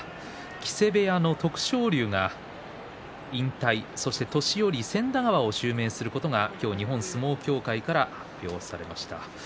木瀬部屋の徳勝龍が引退そして、年寄千田川を襲名することが今日、日本相撲協会から発表されました。